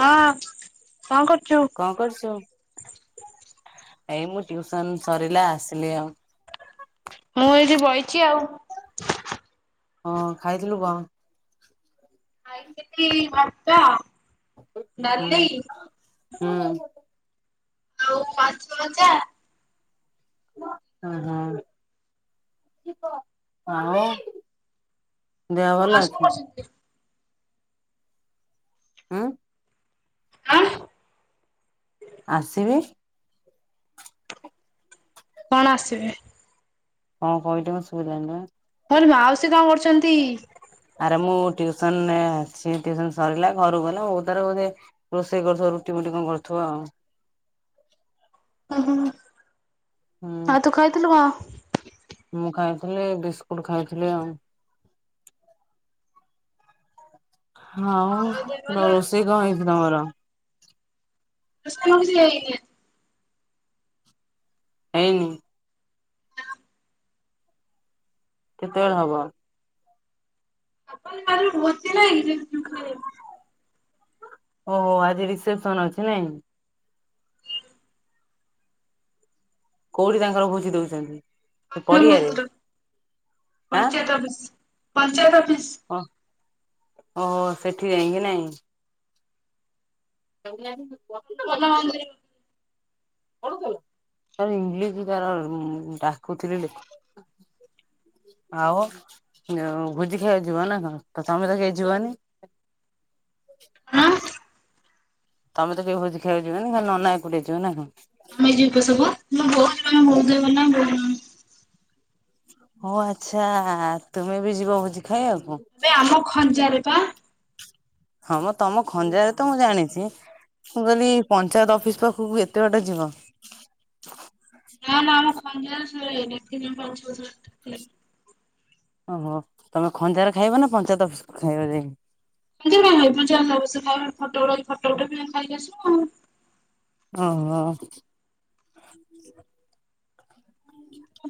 ହଁ ହଁ କଁ କରୁଚୁ? କଁ କରୁଚୁ, ଏଇ ମୁଁ ଟିଉସନ ସରିଲା ଆସିଲି ଆଉ। ମୁଁ ଏଇଠି ବଇଚି ଆଉ ହଁ ଖାଇଥିଲୁ କଁ ଖାଇଥିଲି ଭାତ - ହୁଁ ହୁଁ ଆଉ ପାଞ୍ଚ ହଜାର୍ [unintelligible] ଆଉ ଦେହ ଭଲ ମାଉସୀ କଣ ଅଛିି କରୁଛନ୍ତି? ହଁ ଆ ଆସିବି କଣ ଆସିବେ କଣ କହିଲ ଶୁଭିଲାନି ବା କହିଲି ମାଉସୀ କଣ କରୁଛନ୍ତି? ଆରେ ମୁଁ ଟ୍ୟୁସନ ଅଛି ଟ୍ୟୁସନ ସରିଲା ଘରକୁ ଗଲା ବଉ ତାର ରୋଷେଇ କରୁଥିବ ରୁଟି ଫୁଟି କଣ କରୁଥିବ ଆଉ ହ ହୁଁ ହୁଁ ଆଉ ତୁ ଖାଇଥିଲୁ କଣ? ମୁଁ ଖାଇଥିଲି ବିସ୍କୁଟ ଖାଇଥିଲି ଆଉ ହଁ ଦେହ ଭଲ ରୋଷେଇ କଣ ହେଇଚି ତମର ରୋଷେଇ କିଛି ହେଇନି ହେଇନି କେତେବେଳେ ହବ ଆପଣଙ୍କ [unintelligible] ନାଇ ଏଇ ଖାଇ ଓହୋ ଆଜି ରିସେପ୍ସନ ଅଛି ନାଇଁ କୋଉଠି ତାଙ୍କର ଭୋଜି ଦଉଛନ୍ତି। ସେ ହନୁମାନ ପଡ଼ିଆରେ ମନ୍ଦିର ହାଁ ପଞ୍ଚାୟତ ଅଫିସ ପଞ୍ଚାୟତ ଅଫିସ କଣ ଓହୋ ସେଠି ଯାଇକି ନାଇଁ। କ [unintelligible] ମୁଁ [unintelligible] ଇଂଲିଶ୍ ତାର ମୁଁ ଡାକୁଥିଲି ଲେ ଆଉ ଯ ଭୋଜି ଖାଇବାକୁ ଯିବ ନା କଣ ତ ତମେ ତ କେହି ଯିବନି ହଁ ତମେ ତ କେ ଭୋଜି ଖାଇବାକୁ ଯିବନି ନନା ଏକୁଟିଆ ଯିବେ ନା କଣ ଆମେ ଯିବୁ ପା ସବୁ ମୋ ବୋଉ ଦେହ ଭଲ ନାହିଁ [unintelligible] ହ ଆଚ୍ଛା ତୁମେ ବି ଯିବ ଭୋଜି ଖାଇବାକୁ ଏବେ ଆମ ଖଞ୍ଜାରେ ବା ହଁ ମ ତମ ଖଞ୍ଜାରେ ତ ମୁଁ ଜାଣିଛି। ମୁଁ କହିଲି ପଞ୍ଚାୟତ ଅଫିସ୍ ପାଖକୁ ଏତେ ବାଟ ଯିବ ନା ନା ଆମ ଖଞ୍ଚା [unintelligible] ପାଜ ଟ ଓହୋ ତମେ ଖଞ୍ଜାରେ ଖାଇବ ନା ପଞ୍ଚାୟତ ଅଫିସ୍ କୁ ଖାଇବ ଯାଇ ଯିବୁ [unintelligible] ଫୋଟ ଉଠେଇବୁ ଖାଇକି ଆସିବୁ ଆଉ ଓହୋ [inaudible]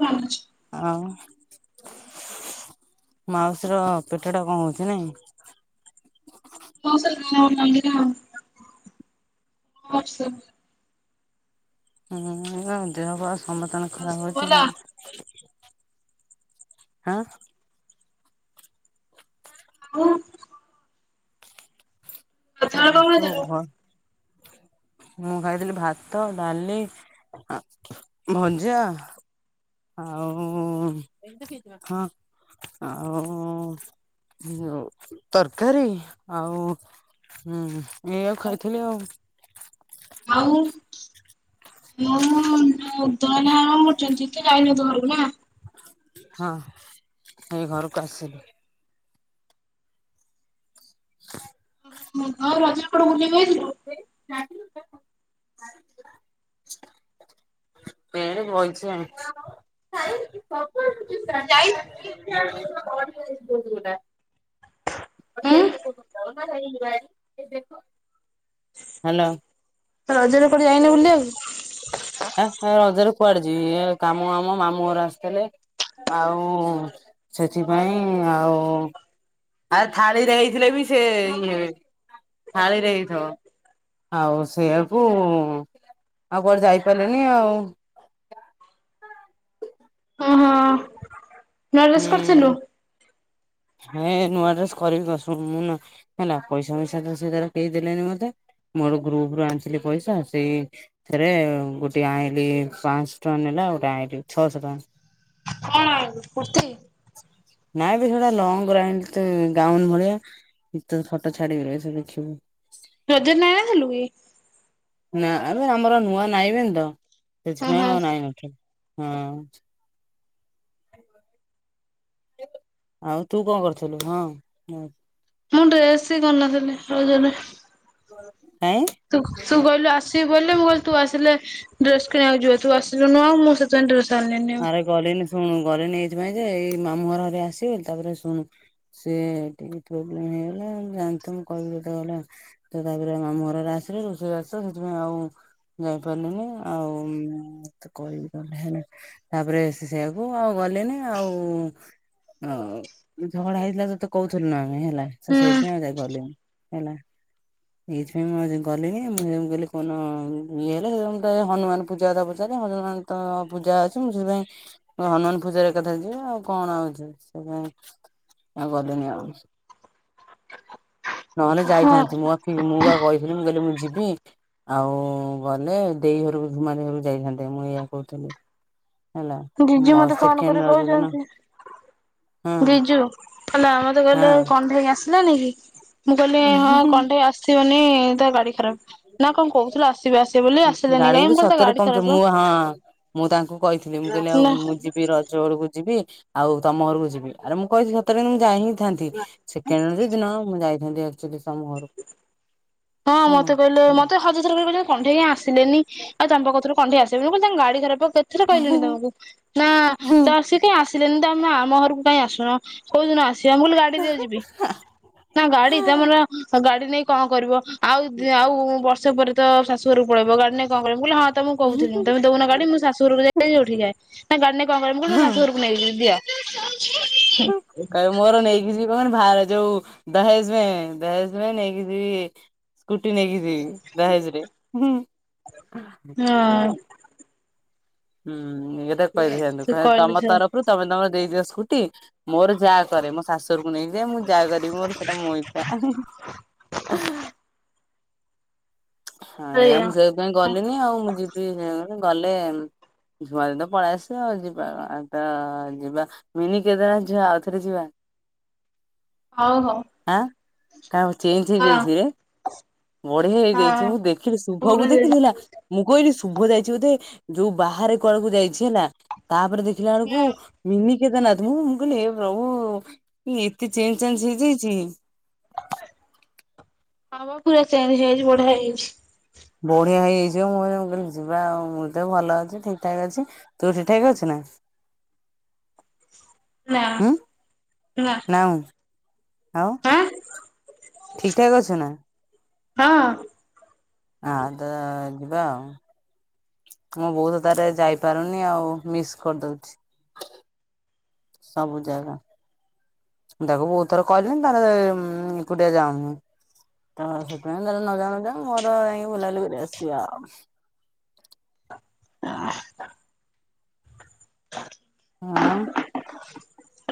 ମାନୁଛି ଆଉ ମାଉସୀର ପେଟ ଟା କଣ ହଉଛି ନାଇଁ ମସ [unintelligible] ହୁଁ ଦେହ ପା ସମସ୍ତଙ୍କ ଆଉ ଖରାପ ସବୁ ହଉଛି ଭଲ ଆଉ। ହାଁ। ଆଉ ହୁଁ ଗାଧୁଆବେଳେ କଣ ତୁ ଭ ଖାଇଥିଲୁ? ମୁଁ ଖାଇଥିଲି ଭାତ, ଡାଲି ଅ ଭଜା। ଆଉ ହଁ ଆଉ। ଉଁ ଅଉ ତରକାରୀ ଆଉ। ହୁଁ ଏଇ ଆକୁ ଖାଇଥିଲି ଆଉ। ଆଉ। ମୁଁ ତୁ ଏଇନା କଣ କରୁଚୁ [unintelligible] ଯାଇନୁ ତୁ ଘରକୁ ନା। ହଁ ଏଇ ଘରକୁ ଆସିଲି। ହ। ଉଁ ଉଁ ଆଉ ରଜରେ କୁଆଡ଼େ ବୁଲିବାକୁ ଯାଇଥିଲୁ? [unintelligible] ବଇଚି ଆଉ। ତୁ ଯାଇନୁ। [unintelligible] ଉଁ [unintelligible] ହାଲୋ। ରଜରେ କୁଆଡେ ଯାଇନ ବୁଲିବାକୁ? ଆ ହ ରଜରେ କୁଆଡେ ଯିବି ଏ କାମ ଆଉ ମୋ ମାମୁଁ ଘର ଆସିଥିଲେ। ଆଉ ସେଥିପାଇଁ ଆଉ। ଆରେ ଥାଳିରେ ହେଇଥିଲେ ବି ସେ ଇଏ ଥାଳିରେ ହେଇଥିବ। ଆଉ ସେଇଆକୁ ଆଉ କୁଆଡେ ଯାଇପାରିଲିନି ଆଉ। ଓହୋ ହୁଁ। ହ। ହେ ନୂଆ ଡ୍ରେସ କରିବି କ ଶୁ ମୁଁ ନ ହେଲା ପଇସା ପଇସା ସେ ତାର କେହି ଦେଲେନି ମତେ। ମୋର ଗ୍ରୁପରୁ ଆଣିଥିଲି ପଇସା ସେଇ। ଥେରେ ଗୋଟେ ଆଇଁଲିି ପାଂଶ ଟଙ୍କା ନେଲା ଗୋଟେ ଆଇଁଲି ଛଅଶ ଟଙ୍କା। କଣ କୁର୍ତ୍ତି। ନାଇଁ ବେ ସେଟା ଲଙ୍ଗ ର ଆଇଁଲ ତି ଗାଉନ ଭଳିଆ। ଉଁ ତତେ ଫଟୋ ଛାଡିିବି ରହିଥା ଦେଖିବୁ। ରଜରେ ନାଇ ନ ଥିଲୁ କି। ନା ଆରେ ଆମର ନୂଆ ନାଇଁବେନି ତ ହୁଁ ସେଥିପାଇଁ ଆଉ ହୁଁ। ନାଇନଥି ହଁ। ଆଉ ତୁ କଣ କରିଥିଲୁ? ହଁ ନ ମୁଁ ଡ୍ରେସ୍ ହି କରିନଥିଲି ରଜ ରେ। କାଇଁ। ତୁ ତୁ କହିଲୁ ଆସିବୁ ବୋଲି ମୁଁ କହିଲି ତୁ ଆସିଲେ ଡ୍ରେସ କିଣିବାକୁ ଯିବା ତୁ ଆସିଲୁନୁ ଆଉ ମୁଁ ସେ ପାଇଁ ଡ୍ରେସ ଆଣିଲିନି ଆଉ। ଆରେ ଗଲିନି ଶୁଣୁ ଗଲିନି ଏଇଥିପାଇଁ ଯେ ଏଇ ମାମୁଁ ଘର ଘରିକା ଆସିବେ ତାପରେ ଶୁଣୁ। ସିଏ ଟିକେ ପ୍ରୋବ୍ଲେମ ହେଇଗଲା ଜାଣିଥା ମୁଁ କହିବି ତତେ ଗଲେ। ତ ତାପରେ ଆମ ମାମୁଁ ଘର ରା ଆସିଲେ ରୋଷେଇ ବାଷ ସେଥିପାଇଁ ଆଉ। ଯାଇପାରିଲିନି ଆଉଁ ତତେ କହିବି ଗଲେ ହେଲା। ତାପରେ ସେ ସେଇଆକୁ ଆଉ ଗଲିନି ଆଉ। ଆଉ ଝଗଡା ହେଇଥିଲା ତତେ କହୁଥିଲୁ ନା ମୁଁ ହେଲା ତ ହୁଁ। ସେଇଥିପାଇଁ ଆଉ ଯାଇ ପାରିଲିନି। ହେଲା। ଏଇଥିପାଇଁ ମୁଁ [unintelligible] ଗଲିନି ମୁଁ [unintelligible] କହିଲି କନ ଇଏ ହେଲେ ସେ ଦିନ ମୁଁ ତ ହନୁମାନ ପୂଜାରେ ପୂଜାରେ ହନୁମାନ ତ ପୂଜା। [unintelligible] ହନୁମାନ ପୂଜା ଏକାଥରେ ଯିବି ଆଉ କଣ ଆଉ ଯିବି ସେ ପାଇଁ। ଆଉ ଗଲିନି ଆଉ। ନହେଲେ ଯାଇଥାନ୍ତି ମୁଁ ଆ [unintelligible] ମୁଁ ପା କହିଥିଲି ମୁଁ କଇଲି ମୁଁ ଯିବି। ଆଉ ଗଲେ ଦେଇ ଘରୁକୁ ଧୁମାଦେଇ ଘରୁକୁ ଯାଇଥାନ୍ତେ ମୁଁ ଏଇଆ କହୁଥିଲି। ହେଲା। ଜିଜୁ ମୋ ମତେ ଫୋନ୍ ସେକେଣ୍ଡ କରି ରଜ ଦିନ କୋହୁଛନ୍ତି। ହଁ ବିଜୁ, ହେଲା ମତେ କହିଲେ ଆଉ କଣ୍ଢେଇ ଆସ ହେଲାନିକି ମୁଁ କଇଲି ହଁ କଣ୍ଢେଇ ଆସିବନି ତା ଗାଡି ଖରାପ୍ ନା କଁ କୋହୁଥିଲା ଆସିବେ ଆସିବେ ବୋଲି ଆସିଲେନି କାଇଁ ମୁଁ କଇଲି ତା ଗାଡି ଖରାପ୍ ପା। ହଁଅଁ ମୁଁ ତାଙ୍କୁ କହିଥିଲି ମୁଁ କଇଲି ଆଉ ମୁଁ ନା ଯିବି ର ଜ ବଳୁକୁ ଯିବି, ଆଉ ତମ ଘରୁକୁ ଯିବି। ଆରେ ମୁଁ କହିଥିଲି ସତରେ ହିଁ ମୁଁ ଯାଇ ହିଁ ଥାନ୍ତି। ସେକେଣ୍ଡ ରଜଦିନ ମୁଁ ଯାଇଥାନ୍ତି ଆକଚୁଲି ସମ ଘରୁକୁ। ହଁଅଁ ମତେ କହିଲେ ମତେ ହଜାରଥର କରି କଇଚନ୍ତି କଣ୍ଢେଇ କାଇଁ ଆସିଲେନି। ଆଉ ତମେ ପା କୋଉଥିଲ କଣ୍ଢେଇ ଆସିବ ବେଲି, କଁ ତାଙ୍କ ଗାଡି ଖରାପ୍ ପା କେତେ ଥର କହିଲିଣି ତମୁକୁ। ନା ତ ସିଏ କାଇଁ ଆସ ସିଲେନି ତମେ ଆମ ଘରୁକୁ କାଇଁ ଆସୁନ, କୋଉଦିନ ଆସି ସିବ? ମୁଁ କଇଲି ଗାଡି ଦିଅ ଯିବି, ନା ଗାଡି ତମର ଗାଡି ନେଇ କଁ କରିବ? ଆଉ ଆଉ ବର୍ଷେ ପରେ ତ ଶାଶୁ ଘରୁକୁ ପଳେଇବ। ଗାଡିନେଇକି କଁ କରିବ? ମୁଁ କଇଲି ହଁ ତମୁକୁ କହୁଥିଲି ମୁଁ ତମେ ଦଉନ ଗାଡି, ମୁ ଶାଶୁ ଘରକୁଯାଏ କି ଯେଉଁଠିକି ଯାଏ ନା ଗାଡି ନେଇକି କଁ କରିବ? ମୁଁ କଇଲି ତୋ ଶାଶୁକୁ ଘରୁକୁ ନେଇକି ଯିବି ଦିଅ। [unintelligible] ହଁ କାଉ [unintelligible] ମୋର ନେଇକି ଯିବି ମାନେ ଭାର୍ ଯୋଉ ଦହେଜମେ ଦହେଜମେ ନେଇକି ଯିବି। ସ୍କୁଟି ନେଇକି ଯିବି ଦହେଜରେ। ହଁଅଁ। ହୁଁଉଁ, ଏଟା କହିବ ସେୟା ତାଙ୍କୁ ସେ କହିବ କହିଲେ ତମ ସେ ତରଫରୁ ତମେ ତମର ଦେଇଦିଅ ସ୍କୁ ଟି ମୋର ଯାହା କରେ, ମୋ ଶାଶୁ ଘରୁକୁ ନେଇକି ଯାଏ ମୁଁ ଯାହା କରିବି ମୋର ସେଟା ମେ ଇଛା। ହିଁ ହିଁ ହଁ ଏୟା ସେଇଆ ମୁଁ ସେଇତିପାଇଁ ଗଲିନି ଆଉ, ମୁଁ ଯିବି ଏଁ ଉଁ ଗଲେ ଉମ। ପହରଦିନ ପଳେଇ ଆସିବ, ଆଉ ଯିବା ଆ ତ ଅ ଯିବା ମିନି କେଦାରନାଥ ଝିଅ ଆଉଥରେ ଯିବା। ହଉ ହଅ। ଆଁ କାଉଁ ଚେଞ୍ଜ ହେଇ ଯାଇଛିରେ ବଢିଆ ହେଇଯାଇଛି। ହଁ ମୁଁ ଦେଖିଲି ଶୁଭକୁ ପୁରୀ ଦେଖିଲି ହେଲା। ଯାଇଥିଲି ମୁଁ କଇଲି ଶୁଭ ଯାଇଛି ବୋଧେ ଯୋଉ ବାହାରେ କୁଆଡୁକୁ ଯାଇଛି ହେଲା, ତାପରେ ଦେଖିଲା ଏଳୁକୁ ହୁଁ ମିନି କେଦାର୍ ନାଥ ମୁଁ ମୁଁ କଇଲି ହେ ପ୍ରଭୁ ଏତେ ଚେଞ୍ଜ ଚାଞ୍ଜ ହେଇଯାଇଚି। ହଁ ବା ପୁରା ଚେଞ୍ଜ ହେଇଯାଇଚି ବଢିଆ ହେଇଯାଇଛି। ବଢିଆ ହେଇଯାଇଛିବେ ମୁଁ କଇଁନି, ମୁଁ କଇଲି ଯିବା ଆଉ ମୁଁ ତ ଭଲ ଅଛି ଠିକ୍ ଠାକ୍ ଅଛି। ତୁ ଠିକ୍ ଠାକ୍ ଅଛୁ ନା। ନା। ନା ନାଉଁ, ଆଉ ଆଁ ଠିକ୍ ଠାକ୍ ଅଛୁ ନା। ହଁଅଁ। ଆ ତ ଯିବା ଆଉ। ମୋ ବୋଉତ ତାରେ ଯାଇପାରୁନି ଆଉ ମିସ୍ କରଦଉଛି। ସବୁ ଜାଗା। ମୁ ତାକୁ ଭୋଉତ୍ ଥର କହିଲିିଣି ତାର ଉଁମ ଏକୁଟିଆ ଯାଉନି। ତ ସେଥିପାଇଁ ତାର ନଜାଉ ନଜାଉ ମୋର ଯାଇକି ବୁଲାବୁଲି କରି ଆସିବା ଆଉ। [inaudible] ଆଉଁ।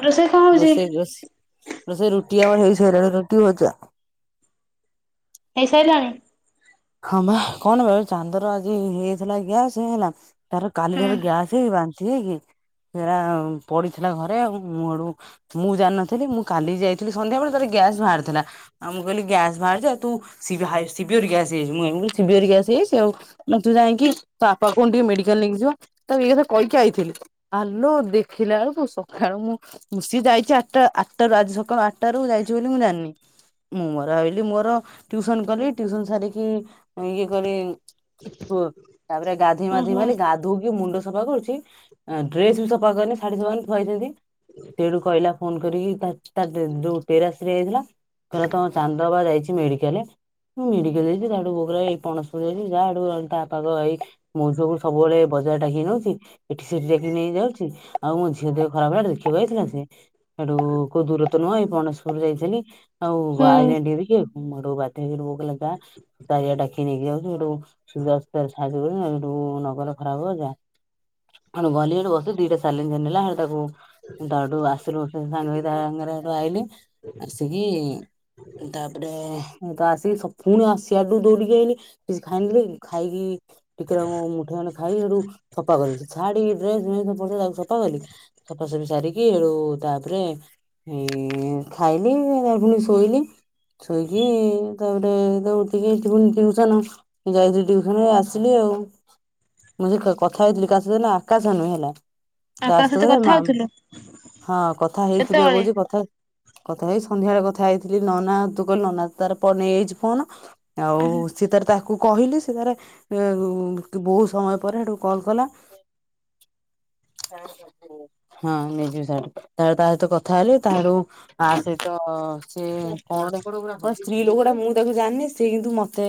ରୋଷେଇ କଣ ହଉଛି ରୋଷେଇ ରୋଷେଇ ରୋଷେଇ ରୁଟି ଆମର ହେଇ ସାରିଲାଣି ରୁଟି ଭଜା। ହେଇସାଇଲାଣି। ହଁ ପା କଣ ବେ ଚାନ୍ଦର ଆଜି ହେଇଥିଲା ଗ୍ୟାସ୍ ହେଲା। ତାର କାଲି ହୁଁ। ଠାରୁ ଗ୍ୟାସ୍ ହେଇକି ବାନ୍ତି ହେଇକି ପଡିଥିଲା ଘରେ ଆଉ ମୁଁ ହେଠୁ ମୁଁ ଜାଣିନଥିଲି ମୁଁ କାଲି ଯାଇଥିଲି ସନ୍ଧ୍ୟାବେଳେ ତାର ଗ୍ୟାସ୍ ବାହାରିଥିଲା। ଆ ମୁଁ କହିଲି ଗ୍ୟାସ୍ ବାହାରିଛି ଆ ତୁ ସିଭିଓର ଗ୍ୟାସ୍ ମୁଁ ଶିବିଅର ଗାସ ହେଇଯାଇଛି ଆଉ ତୁ ଯାଇକି ତ ଆପା କହୁନୁ ଟିକେ ମେଡିକାଲ ନେଇକି ଯିବ। ତାକୁ ଏ କଥା କହିକି ଆଇଥିଲି, ଆଲୋ ଦେଖିଲାଳକୁ ସକାଳୁ ମୁଁ ମୁଁ ସିଏ ଯାଇଛି ଆଟଟା ଆଟଟାରୁ ଆଜି ସକାଳୁ ଆଟଟାରୁ ଯାଇଛି ବୋଲି ମୁଁ ଜାଣିନି। ମୁଁ ମୋର ଆଇଲି ମୋର ଟ୍ୟୁସନ କଲି ଟ୍ୟୁସନ ସାରିକି କି ଇଏ କରି ଥୁ। ତାପରେ ଗାଧୋଇ ମାଧୋଇ ଓହୋ। ଭଲି ଗାଧୋଉଛି ମୁଣ୍ଡ ସଫା କରୁଛି ଡ୍ରେସ ବି ସଫା କରିିନି ଶାଢ଼ୀ ସଫା କରିନି ଥୁଆ ହେଇଚି ସେମତି। ସେଠୁ କହିଲା ଫୋନ କରିକି ତ ଯୋଉ ଟେରା ସ୍ତ୍ରୀ ଆଇଥିଲା। କହିଲା ତମ ଚାନ୍ଦ ବା ଯାଇଛି ମେଡିକାଲେ ମୁ ମେଡିକାଲ ଯା [unintelligible] ମୋ ଝିଅ କୁ ସବୁବେଳେ ବଜାର ଡାକି ନଉଛି। ଏଠି ସେଠି ଯାକି ନେଇଯାଉଛି ଆଉ ମୋ ଝିଅ ଦେହ ଖରାପ ହେଲା ଟା ଦେଖିବାକୁ ଆଇଥିଲା ସିଏ। ସେଠୁ କୋଉ ଦୂର ତ ନୁହଁ ଏଇ ବଣେଶ୍ୱର ଯାଇଥିଲି। ଆଉ ହୁଁ ଆଉ ବାଇନଡିିକ ସେଠୁ ବାଧ୍ୟ ହେଇକି ବୋଉ କହିଲା ଯା। ଚାରିଆଡେ ଡାକିକି ନେଇକି ଯାଉଛି ସେଇଠୁ ସୁବିଧା ଅସୁବିଧା ରେ ସାହାଯ୍ୟ କରିବ ନ ଗଲେ ଖରାପ ହବ ଯା। ଏଣୁ ଗଲି ବସିଲି ଦିଟା ସାଲାଇନ ନେଲା ଏ ତାକୁ ଦଡୁ ଆସିଲୁ ସାଙ୍ଗ ତା ସାଙ୍ଗରେ ଆଇଲି। ଆସିକି ତାପରେ ତ ଆସିକି ସ ପୁଣି ଆସି ସିଆଡୁ ଦୌଡିକି ଆଇଲେ କିଛି ଖାଇନେଲି ଖାଇକି ଟିକେ ମୁଠା ମାନେ ଖାଇ ସେଠୁ ସଫା କଲି ଶାଢୀ ଡ୍ରେସ ମ୍ରେସ୍ ତାକୁ ସଫା କଲି। ସଫାସଫି ସାରିକି ଏଡ଼ଉ ତାପରେ ଏ ଖାଇଲି ତା ପୁଣି ଶୋଇଲି। ସୋଇକି ତାପରେ ଦଉ ଟିୟୁସନ ଯାଇଥିଲି ଟ୍ୟୁସନ ଏ ଆସିଲି ଆଉ। ମୁଁ ସେ କଥା ହେଇଥିଲି କା ସହିତ ନା ଆକାଶ ନୁହେ ହେଲା। ତା କାହା ସହିତ ମା କଥା ହଉଥିଲୁ ହଁ କଥା ହେଇଥିଲୀ ପା ସେତେବେଳେ କହୁଛି କଥା କଥା ହେଇ ସନ୍ଧ୍ୟାଳେ କଥା ହେଇଥିଲି ନନା ତୁ କହିଲ ନନା ତାର ନେଇଯାଇଛି ଫୋନ୍। ଆଉ ସିଏ ତାର ତାକୁ କହିଲି ସେ ତାରେ ବହୁତ ସମୟ ପରେ ହେଟୁ କଲ୍ କଲା। ହଁ ନେଇଯିବ ସ ତା ସହିତ କଥା ହେ ଲି ତା ହେଟୁ ଆ ସେ ତ ସେ କଣ ସ୍ତ୍ରୀ ଲୋକ ଟା ମୁଁ ତାକୁ ଜାଣିନି ସେଏ କିନ୍ତୁ ମତେ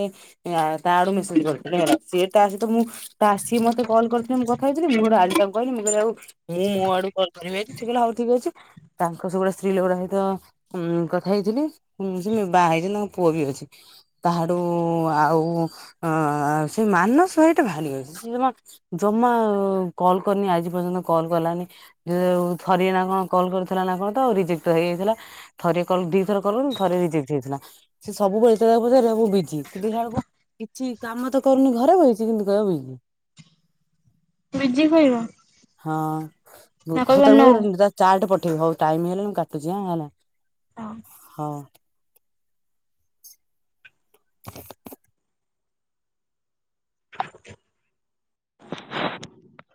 ତା ଆଡୁ ମେସେଜ କରିଥିଲା ସେ ତା ସହିତ ମୁଁ ତ ଆ ସିଏ ମତେ କଲ କରିଥିଲେ ମୁଁ କଥା ହେଥିଲି ମୁଁ କୋଉଠେ ଆଜି ତାକୁ କହିଲି ମୁଁ କହିଲି ଆଉ ମୁଁ ମୋ ଆଡୁ କଲ କରିବି ଆଜି ସେ କହିଲା ହଉ ଠିକ ଅଛି ତାଙ୍କ ସ ସେଗୁଡା ସ୍ତ୍ରୀ ଲଗୁଡା ସହିତ ଉ କଥା ହେଇଥିଲି ସେ ବାହା ହେଇଚନ୍ତି ତାଙ୍କ ପୁଅ ବି ଅଛି। ତାହାଡୁ ଆଉ ଅ ସେ ମାନସ ଭାଇ ଟା ଭାରି ହୋଉଛି ସେ ଜମା କଲ୍ କରିନି ଆଜି ପର୍ଯ୍ୟନ୍ତ କଲ୍ କଲାନି। ଏ ଥରି ନା କଣ କଲ୍ କରିଥିଲା ନା କଣ ତ ରିଜେକ୍ଟ ହେଇଯାଇଥିଲା। ଥରେ କଲ ଦିଥର କଲ ଥରେ ରିଯେକଟ ହେଇଥିଲା ସେ ସବୁବେଳେ ଜେତ [unintelligible] ବିଛି କିନ୍ତୁଇା ବଳକୁ କିଛି କାମ ତ କରୁନି ଘରେ ବ ରଇଛି କିନ୍ତୁ କହିବ ବିଛି। ବିଜି କହିବ। ହଁ ନା ହୋଉ କହିବ ନୋ ତ ଚାଟ୍ ପଠେବି ହୋଉ ଟାଇମ୍ ହେଲାଣି ମୁଁ କାଟୁଛି ହେଲା। ହଁ। ହଁ। [unintelligible] [unintelligible]